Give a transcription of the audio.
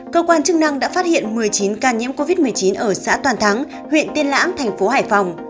cơ quan chức năng đã phát hiện một mươi chín ca nhiễm covid một mươi chín ở xã toàn thắng huyện tiên lãng thành phố hải phòng